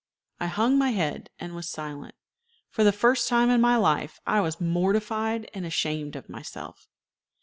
I hung my head and was silent. For the first time in my life I was mortified and ashamed of myself.